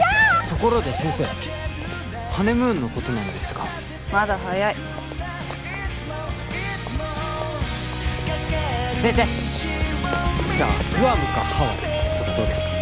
ところで先生ハネムーンのことなんですがまだ早い先生じゃあグアムかハワイとかどうですか？